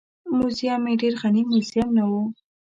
موزیم یې ډېر غني موزیم نه و.